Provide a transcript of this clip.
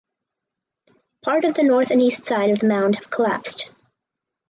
Part of the north and east side of the mound have collapsed.